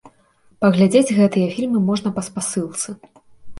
Паглядзець гэтыя фільмы можна па спасылцы.